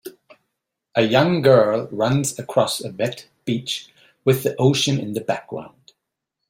A young girl runs across a wet beach with the ocean in the background.